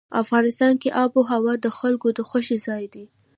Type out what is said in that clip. افغانستان کې آب وهوا د خلکو د خوښې ځای دی.